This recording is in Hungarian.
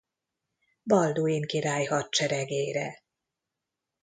Balduin király hadseregére.